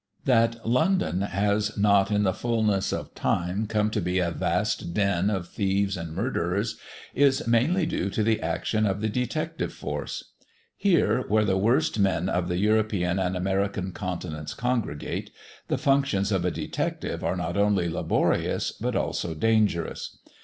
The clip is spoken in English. That London has not in the fulness of time come to be a vast den of thieves and murderers, is mainly owing to the action of the detective force. Here, where the worst men of the European and American continents congregate, the functions of a detective are not only laborious but also dangerous.